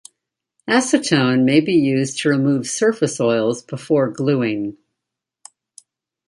Acetone may be used to remove surface oils before gluing.